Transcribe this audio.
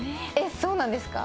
そうなんですか？